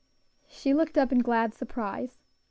She looked up in glad surprise.